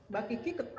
mbak kiki ketawa tuh